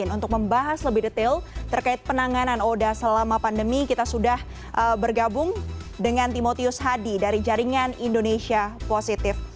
untuk membahas lebih detail terkait penanganan oda selama pandemi kita sudah bergabung dengan timotius hadi dari jaringan indonesia positif